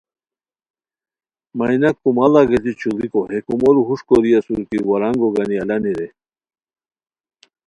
مینا کوماڑا گیتی چوڑیکو ہے کومورو ہوݰ کوری اسورکی ورانگو گانی الانی رے